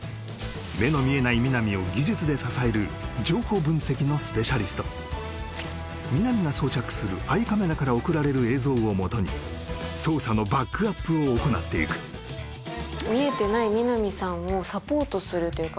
目の見えない皆実を技術で支える情報分析のスペシャリスト皆実が装着するアイカメラから送られる映像をもとに捜査のバックアップを行っていく見えてない皆実さんをサポートするというか